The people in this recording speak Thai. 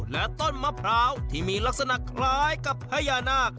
และต้นมะพร้าวที่มีลักษณะคล้ายกับพญานาค